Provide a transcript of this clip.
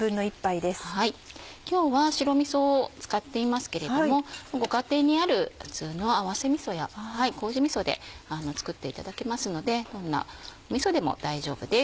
今日は白みそを使っていますけれどもご家庭にある普通の合わせみそやこうじみそで作っていただけますのでどんなみそでも大丈夫です。